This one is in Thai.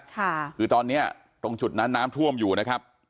ค่ะคือตอนเนี้ยตรงจุดนั้นน้ำท่วมอยู่นะครับ